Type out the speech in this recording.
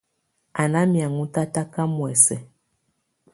Á ná mɛ̀áŋɔ tataka muɛ̀sɛ.